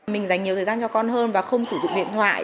mình dành nhiều thời gian cho con hơn và không sử dụng điện thoại